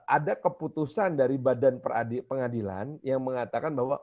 ada keputusan dari badan pengadilan yang mengatakan bahwa